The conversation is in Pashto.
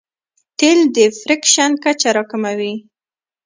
تېل د فریکشن کچه راکموي.